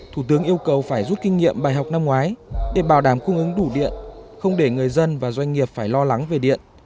thủ tướng yêu cầu phải rút kinh nghiệm bài học năm ngoái để bảo đảm cung ứng đủ điện không để người dân và doanh nghiệp phải lo lắng về điện